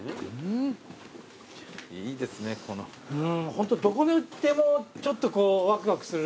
ホントどこ行ってもちょっとこうワクワクする。